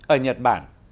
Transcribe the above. ở nhật bản